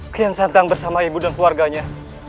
kian santang bersama ibu dan keluarganya